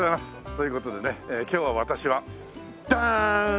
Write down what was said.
という事でね今日は私はダーン！